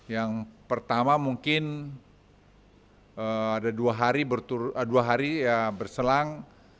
yang pertama mungkin ada dua hari berselang